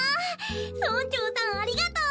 村長さんありがとう！